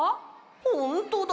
ほんとだ！